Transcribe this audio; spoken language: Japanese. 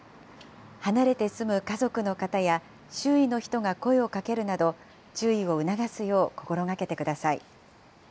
離れて住む家族の方や、周囲の人が声をかけるなど、注意を促すよう心がけてください。